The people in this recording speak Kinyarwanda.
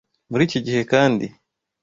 Muri iki gihe kandi